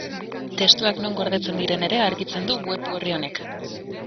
Testuak non gordetzen diren ere argitzen du web berri honek.